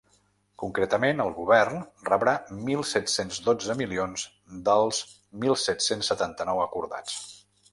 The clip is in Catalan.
Concretament, el govern rebrà mil set-cents dotze milions dels mil set-cents setanta-nou acordats.